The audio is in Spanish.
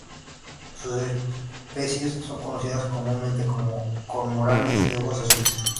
Sus especies son conocidas comúnmente como cormoranes de ojos azules.